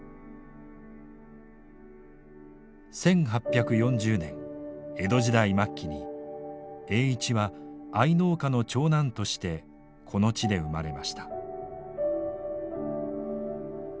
１８４０年江戸時代末期に栄一は藍農家の長男としてこの地で生まれました。